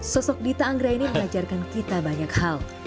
sosok dita anggra ini mengajarkan kita banyak hal